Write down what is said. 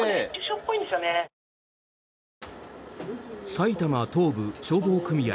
埼玉東部消防組合